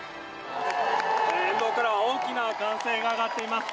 沿道からは大きな歓声が上がっています。